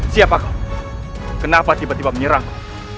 siapa kenapa tiba tiba menyerangku